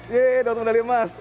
yeay dapat medali emas